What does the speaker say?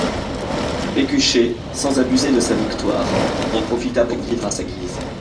Pécuchet, sans abuser de sa victoire, en profita pour vivre à sa guise.